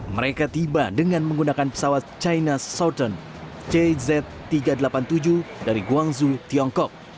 mereka tiba dengan menggunakan pesawat china southern cz tiga ratus delapan puluh tujuh dari guangzhou tiongkok